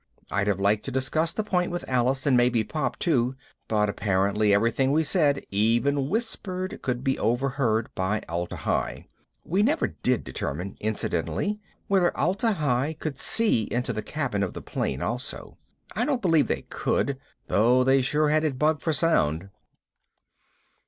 I'd have liked to discuss the point with Alice and maybe Pop too, but apparently everything we said, even whispered, could be overheard by Atla Hi. (We never did determine, incidentally, whether Atla Hi could see into the cabin of the plane also. I don't believe they could, though they sure had it bugged for sound.)